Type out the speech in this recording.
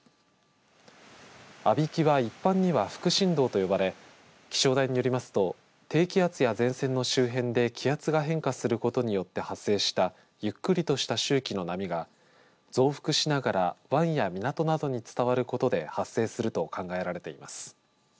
あびきは一般には副振動と呼ばれ気象台によりますと低気圧や前線の周辺で気圧が変化することによって発生したゆっくりとした周期の波が増幅しながら湾や港などに伝わることで発生すると考えられています。